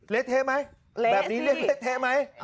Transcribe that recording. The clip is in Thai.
เละเทะไหมแบบนี้เละเทะไหม